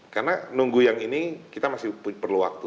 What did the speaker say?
karena nunggu yang ini kita masih perlu waktu